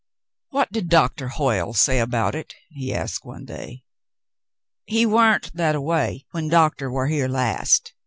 '*What did Doctor Hoyle say about it?" he asked one day. "He wa'n't that a way when doctah war here last.